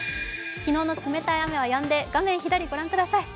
昨日の冷たい雨はやんで、画面左ご覧ください。